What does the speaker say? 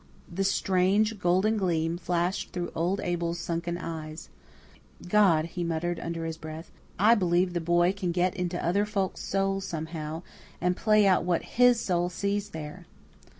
The strange, golden gleam flashed through old Abel's sunken eyes. "God," he muttered under his breath, "I believe the boy can get into other folk's souls somehow, and play out what HIS soul sees there."